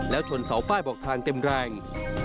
แล้วชนเสาป้ายบอกทางเต็มแรง